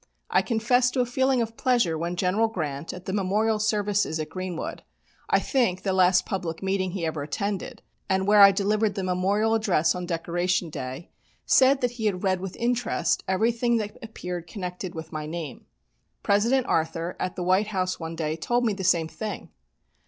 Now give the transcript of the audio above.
I confess to a feeling of pleasure when General Grant, at the Memorial Services at Greenwood I think the last public meeting he ever attended, and where I delivered the Memorial Address on Decoration Day said that he had read with interest everything that appeared connected with my name. President Arthur, at the White House one day, told me the same thing.